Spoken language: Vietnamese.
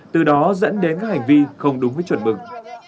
từ đó dẫn đến các hành vi không đúng với chuẩn mực